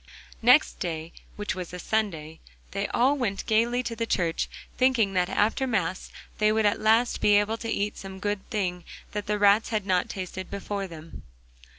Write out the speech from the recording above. Next day, which was a Sunday, they all went gaily to church, thinking that after Mass they would at last be able to eat some good thing that the rats had not tasted before them.